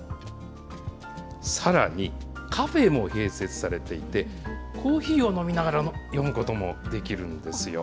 さらに、カフェも併設されていて、コーヒーを飲みながら読むこともできるんですよ。